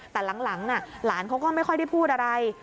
แต่หลังหลานเขาก็ไม่ค่อยได้พูดอะไร